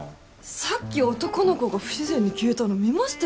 さっき男の子が不自然に消えたの見ましたよね？